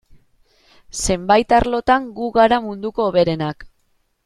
Zenbait arlotan gu gara munduko hoberenak.